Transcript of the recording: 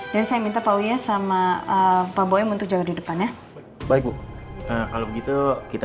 dan saya minta pak wiyah sama pak bowen untuk jaga di depan ya baik bu kalau begitu kita